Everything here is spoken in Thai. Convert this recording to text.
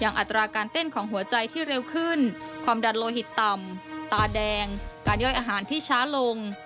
อัตราการเต้นของหัวใจที่เร็วขึ้นความดันโลหิตต่ำตาแดงการย่อยอาหารที่ช้าลง